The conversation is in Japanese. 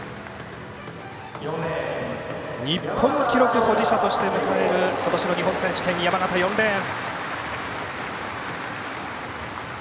日本記録保持者として迎える今年の日本選手権山縣、４レーン。